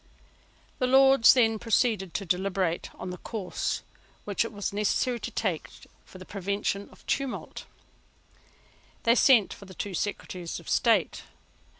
The Lords then proceeded to deliberate on the course which it was necessary to take for the prevention of tumult. They sent for the two Secretaries of State.